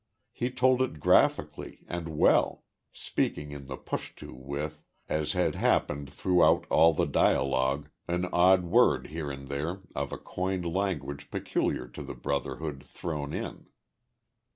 He told it graphically and well, speaking in the Pushtu with, as had happened throughout all the dialogue, an odd word here and there of a coined language peculiar to the Brotherhood, thrown in.